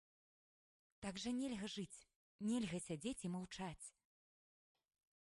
Так жа нельга жыць, нельга сядзець і маўчаць.